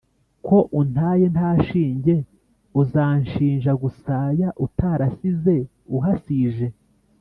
ko untaye nta shinge uzanshinja gusaya utarasize uhasije